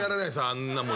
あんなもん。